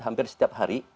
hampir setiap hari